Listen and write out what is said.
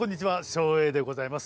照英でございます。